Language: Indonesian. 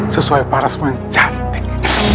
sesuai para semua yang cantik